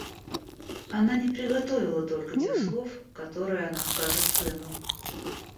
Она не приготовила только тех слов, которые она скажет сыну.